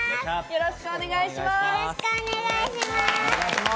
よろしくお願いします。